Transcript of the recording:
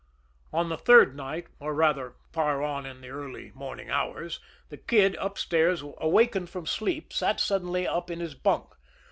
On the third night, or rather, far on in the early morning hours, the Kid, upstairs, awakened from sleep, sat suddenly up in his bunk.